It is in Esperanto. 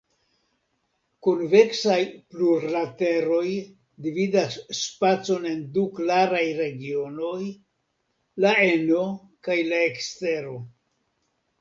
Konveksaj plurlateroj dividas spacon en du klarajn regionojn, la eno kaj la ekstero.